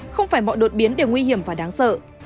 không phải mọi đột biến đều nguy hiểm và đáng sợ